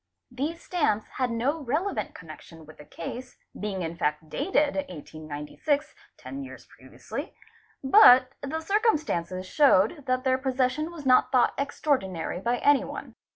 These stamps had | no relevant connection with the case, being in fact dated 1896, ten years previously; but the circumstances showed that their possession was not thought extraodinary by any one.